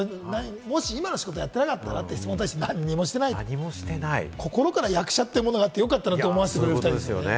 もし今の仕事をやっていなかったらに対して何もしていないと心から役者というものがあってよかったなと思いますよね。